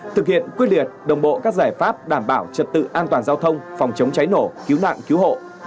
thực hiện quyết liệt đồng bộ các giải pháp đảm bảo trật tự an toàn giao thông phòng chống cháy nổ cứu nạn cứu hộ